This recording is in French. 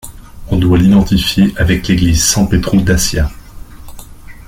On doit l'identifier avec l'église San Petru d'Accia.